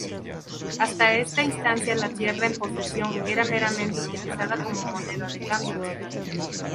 Hasta esta instancia la tierra en posesión era meramente utilizada como moneda de cambio.